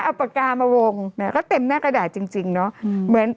เอาประกาศมาวงเนอะก็เต็มหน้ากระดาษจริงจริงเนอะเหมือน